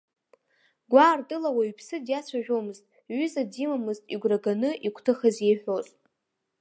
Гәаартыла уаҩԥсы диацәажәомызт, ҩыза димамызт игәра ганы игәҭыха зеиҳәоз.